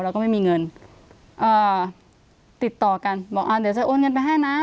แล้วก็ไม่มีเงินอ่าติดต่อกันบอกอ่าเดี๋ยวจะโอนเงินไปให้นะ